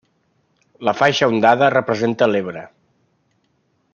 La faixa ondada representa l'Ebre.